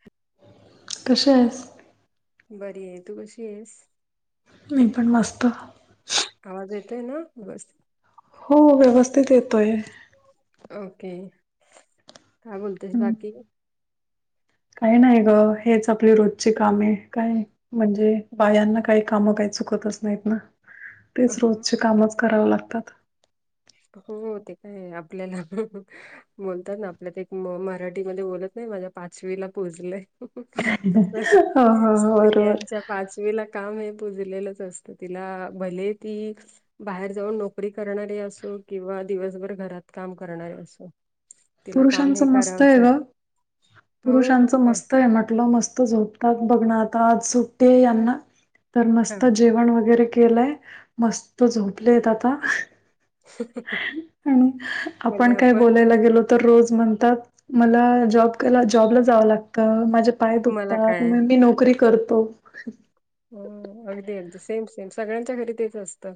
ह तसेच बरी आहे तू कशी आहेस. मी पण मस्त. आवाज येतय ना व्यवस् हो व्यवस्थित येतोय. ओके काय बोलतेस हं. बाकी काही नाही ग हेच आपली रोजची काम आहे काय? म्हणजे बायांना काही कामं काही चुकतच नाहीत ना. हा तेच रोजचे कामच करावें लागतात. हो ते काय आपल्याला बोलतात ना आपल्यात एक मराठीमध्ये बोलत नाही माझ्या पाचवीला पोजलंय. तस हो हो हो बरोबर. स्त्रियांच्या पाचवीला काम हेजलेलं असत तिला भले ती बाहेर जाऊन नोकरी करणारी अस. असो किंवा दिवसभर घरात काम करणारे असो. तिला काम पुरुषांच हे मस्त करावंच आहे ग हो मग पुरुषांचं काय मस्त आहे म्हटलं मस्तच होत. तग बघण आता आज सुट्टते यांना तर हा मस्त जेवण वगैरे केलंय. मस्त झोपले आहेत आता आणि आपण काय बोलायला गेलो. रोज म्हणतात मला ज जला जावं लागत मा. पाय तुम्हाला दुखतात काय म मी नोकरी करतो. हो अगदी अगदी सेम सेम सगळ्यांच्या घरी तेच असतं.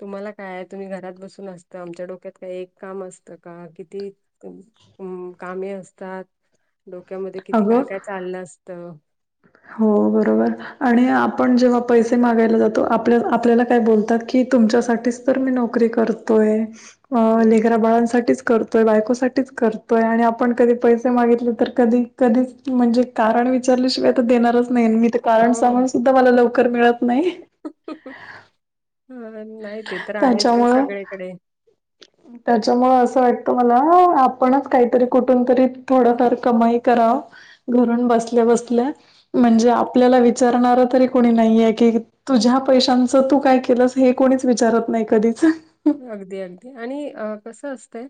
तुम्हाला काय तुम्ही घरात बसून असतं आमच्या डोक्यात काही एक काम असतं का किती कामे असतात डोक्यामध्ये किती काय अगं काय चाललं असतं हो बरोबर आणि आपण जेव्हा पैसे मागायला जातो आपल्या आपल्याला काय बोलतात की तुमच्यासाठीच मी नोकरी करतोय हो लेसाठी करतोय बायकोसाठीठीच करतोय आणि आपण कधी पैसे मागितले तर कधी कधीच म्हणजे कारण विचारल्याशिवायता देणारच नाही मी ते कारण हो सामान सुद्धा मला लवकर मिळत नाही हा नाही ते तर आहेच ग सगळीकडे त्याच्यामुं असं वाटतं मला आपणच काहीतरी कुठून तरी थोडंफार कमाई कराव घरून बसल्या बसल्या म्हणजे आपल्याला विचारणार तरी कोणी नाहीये की तुझ्या पैशांचं तू काय केलं हे कोणीच विचारत नाही कधीच अगदी अगदी आणि कसं असतंय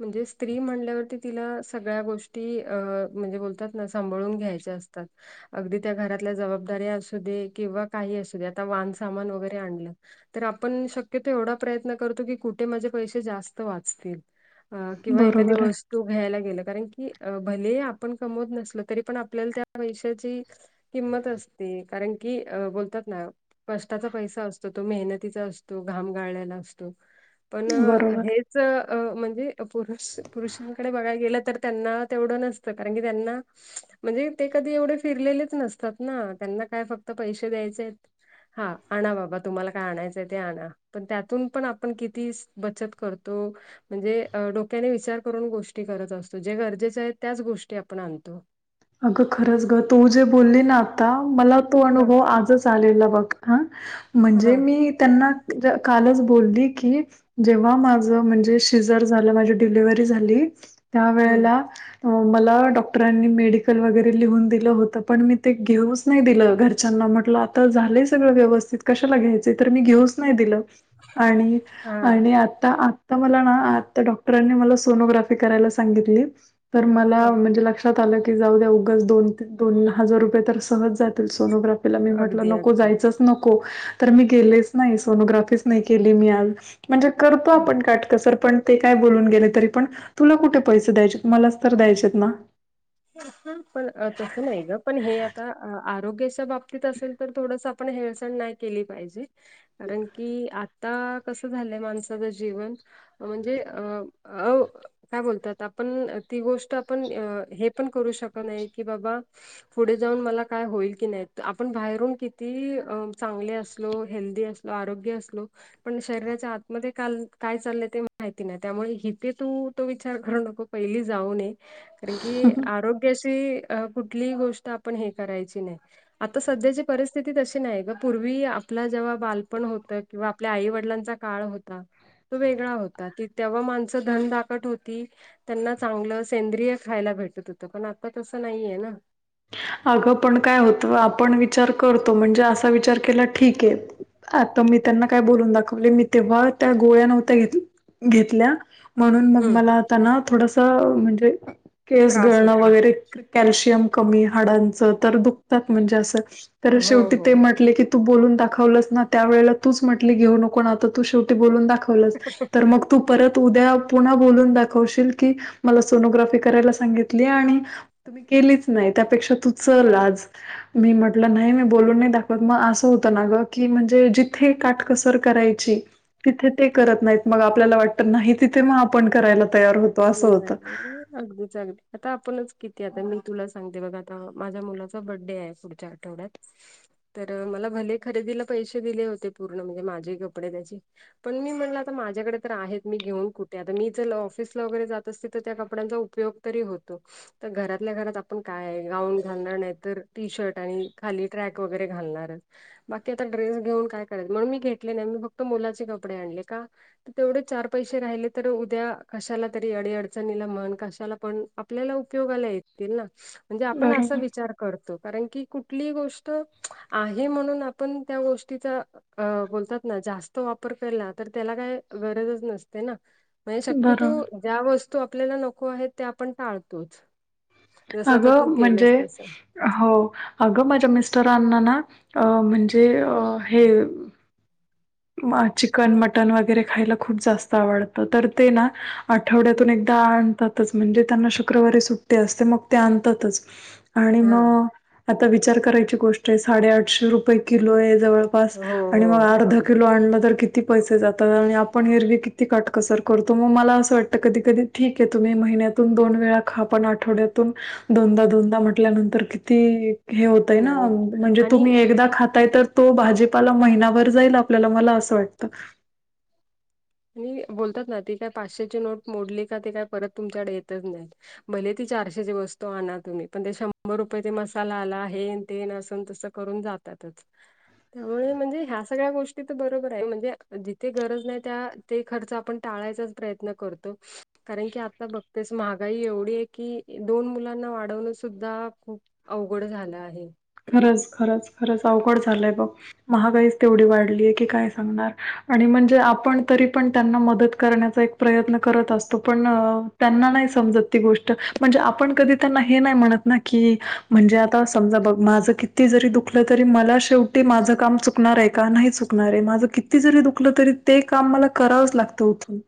म्हणजे स्त्री म्हणल्यावरती तिला सगळ्या गोष्टी म्हणजे बोलतात सांभाळून घ्यायचे असतात अगदी त्या घरातल्या जबाबदारी्या असू दे किंवा काही असू दे आता वान सामान वगैरे आणलं तर आपण शक्यतो एवढा प्रयतो की कुठे माझे पै जास्त वाचतील किंवा एखादी बरोबर आहे तो घ्यायला गेला कारण की भले आपण कमवत नसल तरी पण आपल्याला त्या पैशाची किंमत असते कारण की अ बोलतात ना कष्टाचा पैसा असतो तो मेहनतीचा असतो घाम गाळल्याला पण बरोबर म्हणजे पुरुष पुरुषांकडे बघाला गेलं तर त्यांना तेवढं नसतं कारण की त्यांना म्हणजे ते कधी एवढे फिरलेलेच नसतात ना त्यांना काय फक्त पैसे द्यायचे आहेत हा आणा बाबा तुम्हाला काय आणायचंय ते आणा पण त्यात तून पण आपण किती बचत करतो म्हणजे डोक्याने विचार करून गोष्टी करत असतो जे गरजेचे आहेत त्याच गोष्टी आपण आणतो अगं खरंच ग तू जे बोलली ना आता मला तो हा अनुभव आजच हा म्हणजे मी त्यांना कालच बोलली की, जेव्हा माझ म्हणजे शिजर झालं माझी डिलिव्हरी झाली त्या हम्म वेळेला मला डॉक्टरांनी मेड वगैरे लिहून दिलं होत. पण मी ते घेऊच नाही दिलं. घरच्यांना म्हटलं आता झालंय सगळं व्यवस्थित कशला घ्याय तर मी घेऊच नाही दिलं आणि हा आणि आता आता मला ना आता डॉक्टरांनी मला सोनोग्राफी करायला सांगितली तर हा मला म्हणजे लक्ष आलं की जाऊ द्या उग दोन दोन हजार रुपये तर सहज जातील सोनोग्राफ्ट पला मी म्हटलं अगदी नको अगदी जायचच नको तर मी गेलेच नाही सोनोग्राफीच नाही केली मी आज म्हणजे करतो आपण काटकसर पण ते काय बोलून गेले तरी पण तुला कुठे पैसे द्यायचेत मलाच तर द्यायचेत ना. पण तसं नाही ग पण हे आता आरोग्याच्या बाबतीत असेल तर थोडस आपण हेळसण नाही केली पाहिजे कारण की आता कसं झालंय माणसाचं जीवन म्हणजे अं अं काय बोलतात आपण ती गोष्ट आपण हे पण करू शक नाही की बाबा पुढे जाऊन मला काय होईल की नाही आपण बाहेरून किती चांगले असलो हेल्दी असलो आरोग्य असलो पण शरीराच्या आतमध्ये का काय चाललंय ते माहिती नाही त्यामुळे इथे तू तो विचार करू नको पहिली जाऊन ये कारण की, आरोग्याशी कुठलीही गोष्ट आपण हे करायची नाही. आता सध्याची परिस्थिती तशी नाही ग पूर्वी आपला जेव्हा बालपण होतं. किंवा आपल्या आई वडिलांचा काळ होता. तो वेगळा होता तेव्हा माणसं धन दाकट होती. त्यांना चांगलं सेंद्रिय खायला भेटत होतं पण आता तस नाहीये ना अगं पण काय होतं आपण विचार करतो म्हणजे असा विचार केला ठीक आहे. आता मी त्यांना काय बोलून दाखवले मी तेव्हा त्या गोळ्या नव्हत्या घेत घेतल्या. म्हणून मग हम्म मला आता ना थोडासा म्हणजे केस त्रास गळणं होतोय. वगैरे कॅल्शियम कमी हाडांचं तर दुखतात म्हणजे अस तरी ते हो हो. शेवटी म्हटले की, तू बोलून दाखवलस ना त्या वळेला तूच म्हटली घेऊ नको आता तू शेवटी बोलून दाखवलस तर मग तू परत उद्या पुन्हा बोलून दाखवशील की, मला सोनोग्राफी करायला सांगितली. आणि तुम्ही केलीच नाही. त्यापेक्षा तू चल आज मी म्हटलं नाही मी बोलून नाही दाखवत मग असं होतं ना ग की म्हणजे जिथे का कसर करायची तिथे ते करत नाहीत. मग आपल्याला वाटत नाही तिथे मग आपण करायला तयार होतो. असं होतं. हम् अगदीच अगदी आता आपणच किती आता मी तुला सांगते बघा आता माझ्या मुलाचा बड्डे आहे पुढच्या ोड तर मला भले खरेदीला पैसे दिले होते पूर्ण म्हणजे माझे कपडे त्याची पण मी म्हणलं आता माझ्याकडे तर आहेत मी घेऊन कुठे आता मीच लव ट्रिपला वगैरे जात असते. तर त्या कपड्यांचा उपयोग तरी होतो. तर घरातल्या घरात आपण काय आहे गाऊन घालणार नाही तर टी शर्ट आणि खाली ट्रॅक वगैरे घालणारच बाकी आता ड्रेस घेऊन काय करायचे, म्हणून मी घेतले नाही. मी फक्त मुलाचे कपडे आणले. का? तर तेवढे चार पैसे राहिले तर उद्या कशाला तरी अडी अडचणीला म्हण कशाला पण आपल्याला उपयोगाला येतील ना. म्हणजे आपण असं बरोबर विचार करतो. कारण की कुठली गोष्ट आहे म्हणून आपण त्या गोष्टीचा बोलतात ना जास्त वापर केला. तर त्याला काय गरजच नसते ना. क तो बरोबर ज्या वस्तू आपल्याला नको आहे त्या आपण टाळतोच जसं आता तू अगं केलंस म्हणजे तसं हो अगं माझ्या मिस्टरांना ना अ म्हणजे हे चिकन मटन वगैरे खायला खूप जास्त आवडतं तर ते ना हं. आठवड्यातून एकदा आणतातच म्हणजे त्यांना शुक्रवारी सुट्टी असते मग ते आणतातच आणि हा मग आता विचार करायची गोष्ट आहे साडेआठशे रुपये किलो आहे जवळ हो हो मग अर्ध अगदी लं तर किती पैसे जातात आणि आपण हेरवी किती काटकसर करतो मग मला असं वाटतं कधी कधी ठीक आहे तुम्ही महिन्यातून दोन वेळा खा पण आठवड्यातून दोनदा दोनदा म्हटल्यानंतर किती हे होतय ना नाही म्हणजे आणि तुम्ही एकदा खाताय तर तो भाजीपाला महिनाभर जाय लागतो आपल्याला मला असं वाटतं आणि बोलतात ना ती काय पाचशेची नोट मोडली का ते काय परत तुमच्याकडे येतच नाही मले ती चारशेची वस्तू आणा तुम्ही पण शंभर रुपये ते मसाला आला आहे ते तस करून जातातच त्यामुळे म्हणजे ह्या सगळ्या गोष्टी तर बरोबर आहे म्हणजे जिथे गरज नाही त्या ते खर्च आपण टाळायचाच प्रयत्न करतो कारण की आता बघतेस महागाई एवढी आहे की दोन मुलांना वाढवण सुद्धा खूप अवघड झालं आहे खरंच खरंच खरंच अवघड झालंय बघ महागाईच तेवढी वाढलीय की काय सांगणार आणि म्हणजे आपण तरी पण त्यांना मदत करण्याचा एक प्रयत्न करत असतो पण त्यांना नाही समजत ती गोष्ट म्हणजे आपण कधी त्यांना हे नाही म्हणत ना की म्हणजे आता समजा बघ माझ किती जरी दुखलं तरी मला शेवटी माझं काम चुकणार आहे का नाही चुकणार आहे माझ किती जरी दुखलं तरी ते काम मला करावंच लागतं उथून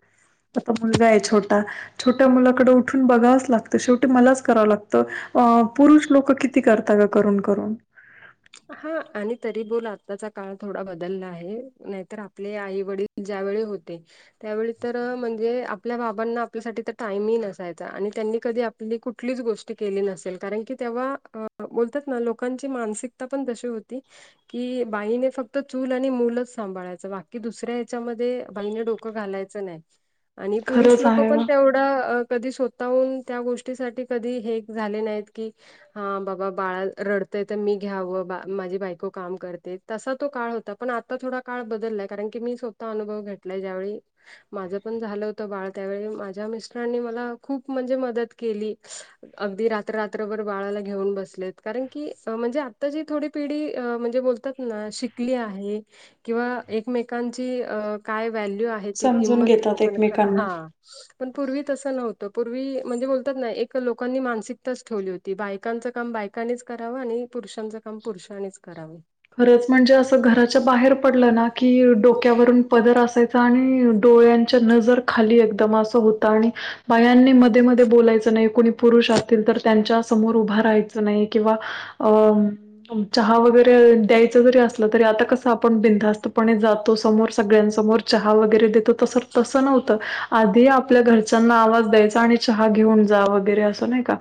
आता मुलगा आहे छोटा छोटा त्या मुलाकड उठून बघावंच लागतं शेवटी मलाच कराव लागतं पुरुष लोक किती करतात ग करून करून. हा आणि तरी बोल आताचा काळ थोडा बदलला आहे नाहीतर आपले आई वडील ज्यावेळी होते. त्यावेळी तर म्हणजे आपल्या बाबांना आपल्यासाठी तर टाईम नसायचा आणि त्यांनी कधी आपली कुठलीच गोष्ट केली नसेल कारण की तेव्हा बोलतात ना लोकांची मानसिक ता पण तशी होती. की बाईने फक्त चूल आणि मूलच सांभाळायच बाकी दुसऱ्या ह्याच्यामध्ये बाईने डोक घालायचं नाही आणि पुरुष खरंच लोकं आहे पण ग तेवढे कधी स्वतःहून त्या गोष्टीसाठी कधी हे झाले नाहीत की हा बाबा बाळा रडतय तर मी घ्यावं बा माझी बायको काम करते तसा तो काळ होता पण आता थोडा काळ बदललाय कारण की मी स्वतः अनुभव घेतलाय ज्यावेळी माझं पण झालं होत बाळ त्यावेळी माझ्या मिस्टरांनी मला खूप म्हणजे मदत केली अगदी रात्र रात्रभर बाळाला घेऊन बसलेत कारण की म्हणजे आता जी थोडी पिढी म्हणजे बोलतात ना शिकली आहे. किंवा एकमेकांची काय व्हॅल्यू आहे ती समजून किंमत घेतात लोकांना एकमेकांना हा पण पूर्वी तसं नव्हतं पूर्वी म्हणजे बोलतात ना एक लोकांनी मानसिकताच ठेवली होती. ती बायकांचं काम बायकांनीच करावं आणि पुरुषांचं काम पुरुषांनीच करावे. खरंच म्हणजे असं घराच्या बाहेर पडलं ना की डोक्यावरून पदर असायच. आणि डोळ्यांच्या नजर खाली एकदम असं होतं आणि बायांनी मध्ये मध्ये बोलायचं नाही कोणी पुरुष असतील तर त्यांच्या समोर उभ राहायच नाही किंवा चहा वगरे द्यायच जरी असलं तरी आ कस आपण बिधास्तपणे जातो समोर सगळ्यांसमोर चहा वगैरे देतो त तस नव्हत आधी आपल्या घरच्यांना आवाज द्यायचा आणि चहा घेऊन जा वगैरे असं नाही का.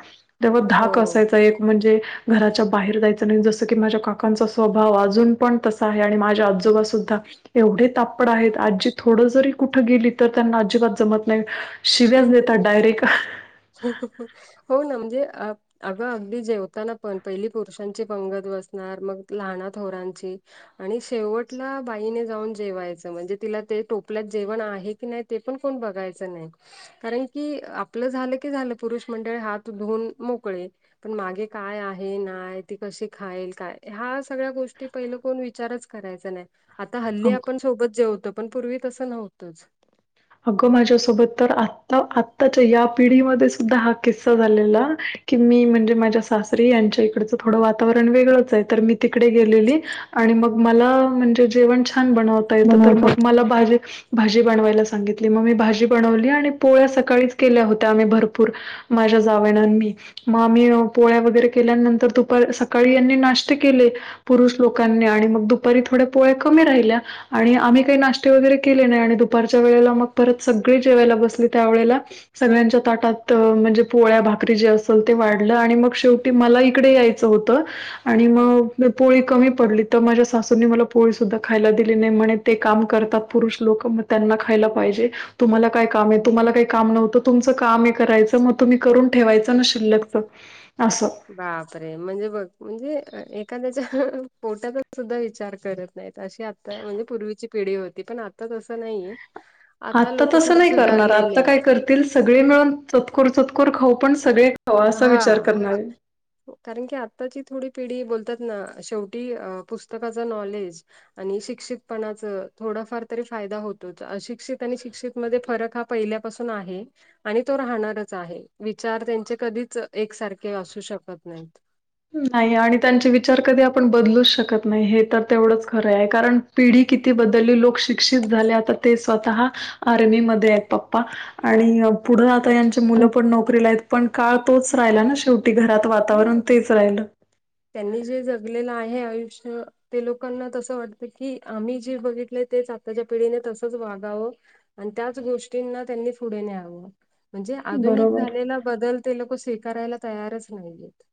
तेव्हा धाक असायचा. एक म्हणजे, घराच्या बाहेर जायचं नाही. जसं की माझ्या काका, लोकां स्वभाव अजून पण तसा आहे. आणि माझ्या आजोबा सुद्धा एवढे तापड आहेत. आजी थोडं जरी कुठं गेली, तर त्यांना अजिबात जमत नाही. हो. शिव्याच देतात डायरेक्ट. हो ना म्हणजे अ अगं अगदी जेवताना पण पहिली पुरुषांची पंगत बसणार, मग लहाना थोरांची. आणि शेवटला बाईने जाऊन जेवायचं, म्हणजे तिला ते टोपल्यात जेवण आहे की नाही. ते पण कोण बघायचं नाही. कारण की आपलं झालं. झालं पुरुष मंडळी हात धुन मोकळे. पण मागे काय आहे नाय, ती कशी खाईल काय, हा सगळ्या गोष्टी पहिलं कोण विचारच करायचा नाही. आता हल्ली आपण सोबत जेवतो पण पूर्वी तसं नव्हतंच. अगं माझ्यासोबत तर आता आत्ताच्या या पिढीमध्ये सुद्धा हा किस्सा झालेला. की मी म्हणजे माझ्या सासरी यांच्या इकडंच थोडं वातावरण वेगळच आहे. तर मी तिकडे गेलेली. आणि मग मला म्हणजे जेवण छान बनवता येतं. तर मग बनवतात मला भाजी भाजी बनवायला, सांगितली मग मी भाजी बनवली. आणि पोळ्या सकाळीच केल्या होत्या आम्ही भरपूर. माझ्या जावेने अन् मी. मग आम्ही पोळ्या वगैरे केल्यानंतर दुपारी सकाळी यांनी नाष्टे केले. पुरुष लोकांनी आणि मग दुपारी थोड्या पोळ्या कमी राहिल्या. आणि आम्ही काही नाश्ते वगैरे केले नाही. आणि दुपार. वेळेला मग परत सगळी जेवायला बसली. त्यावेेळेला, सगळ्यांच्या ताटात म्हणजे पोळ्या भाकरी जे असेल ते वाढलं. आणि मग शेव ते मला इकडे यायचं होतं. आणि हा मग पोळी कमी पडली, तर माझ्या सासूंनी मला पोळी सुद्धा खायला दिली नाही. म्हणे ते काम करतात पुरुष लोक म त्यांना खायला बर पाहिजे. तुम्हाला काय काम आहे. तुम्हाला काही काम नव्हतं, तुमचं काम आहे करायचं मग तुम्ही करून ठेवायचं न शिल्लकच. अस. बापरे म्हणजे बघ म्हणजे एखाद्याच्या पोट्याचा सुद्धा विचार करत. नाही अशी आता म्हणजे पूर्वीची पिढी होती पण आता तसं नाहीये. आता आत्ता लोक तसं थोडे नाही करणार. आत्ता सुधारलेले काय आहेत करतील, सगळे मिळून चतकूर, चतकूर खाऊ. पण सगळे. हो असा विचार हा. करणार. कारण की, आत्ताची थोडी पिढी बोलतात ना. शेवटी अ पुस्तकाचा नॉलेज. आणि शिक्षितपणाच थोडाफार तरी फायदा होतोच. अशिक्षित आणि शिक्षित मध्ये फरक हा पहिल्यापासून आहे. आणि तो राहणारच आहे. विचार त्यांचे कधीच एकसारखे असू शकत नाहीत. नाही आणि त्यांचे विचार कधी आपण बदलूच शकत नाही. हे तर तेवढंच खरं आहे. कारण, पिढी किती बदली. लोक शिक्षित झाले. आता ते स्वतः आर्मीमध्ये आहेत पप्पा. आणि पुढे आता यांचे मुलं पण नोकरीला आहेत. पण काळ तोच राहिला, ना शेवटी घरात वातावरण. [inaudible] त्यांनी जे जगलेलं आहे आयुष्य. ते लोकांना तसं वाटतं की आम्ही जे बघितलं तेच आताच्या पिढीने तसंच वागावं. आणि त्याच गोष्टींना त्यांनी पुढे न्यावं. म्हणजे आधुनिक बरोबर. झालेला बदल ते लोक तयारच नाहीय आहेत.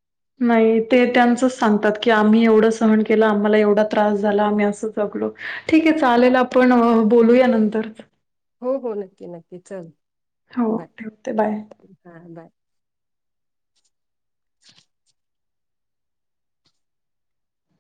नाही ते त्यांचच सांगतात की, आम्ही एवढं सहन केलं. आम्हाला एवढा त्रास झाला. आम्ही असं जगलो ठीक आहे चालेल. आपण अ बोलूया नंतर. हो हो नक्की नक्की चालेल. होे ठेवते बाय. हा बाय